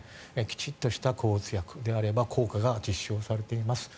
きちんとした抗うつ薬であれば効果が実証されています。